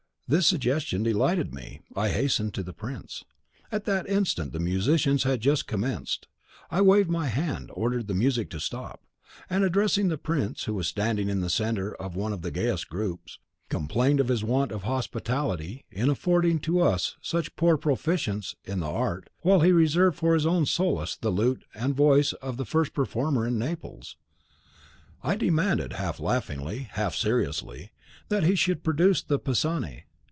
"This suggestion delighted me. I hastened to the prince. At that instant the musicians had just commenced; I waved my hand, ordered the music to stop, and, addressing the prince, who was standing in the centre of one of the gayest groups, complained of his want of hospitality in affording to us such poor proficients in the art, while he reserved for his own solace the lute and voice of the first performer in Naples. I demanded, half laughingly, half seriously, that he should produce the Pisani.